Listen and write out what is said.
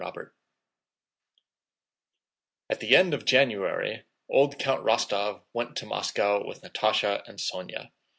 CHAPTER VI At the end of January old Count Rostóv went to Moscow with Natásha and Sónya.